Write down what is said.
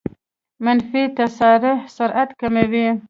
منفي تسارع سرعت کموي.